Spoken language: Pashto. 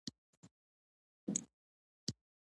پلورنځی باید د پیرودونکو لپاره د اسانتیا مرکز وي.